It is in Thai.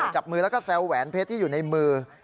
จับมือแล้วก็แซวแหวนเพชรที่อยู่ในมือ